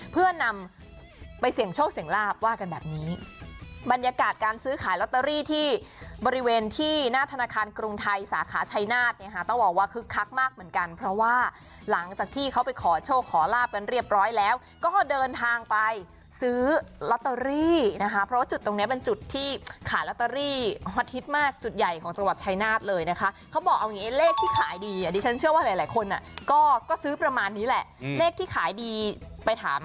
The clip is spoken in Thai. เพื่อนนำไปเสี่ยงโชคเสี่ยงลาบว่ากันแบบนี้บรรยากาศการซื้อขายล็อตเตอรี่ที่บริเวณที่หน้าธนาคารกรุงไทยสาขาชัยนาศเนี้ยฮะต้องบอกว่าคึกคักมากเหมือนกันเพราะว่าหลังจากที่เขาไปขอโชคขอลาบกันเรียบร้อยแล้วก็เดินทางไปซื้อล็อตเตอรี่นะคะเพราะว่าจุดตรงเนี้ยเป็นจุดที่ขายล็อตเตอรี่